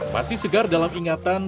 masih segar dalam ingatan